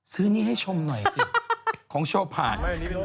ซื้อนี่ให้ชมหน่อยสิของโชภาษณ์